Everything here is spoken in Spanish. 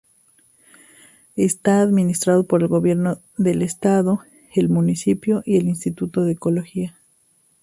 Está administrado por el Gobierno del Estado, el municipio y el Instituto de Ecología.